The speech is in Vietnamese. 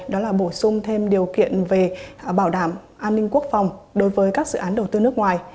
đó là bổ sung thêm điều kiện về bảo đảm an ninh quốc phòng đối với các dự án đầu tư nước ngoài